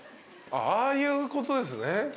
ああいうことですね。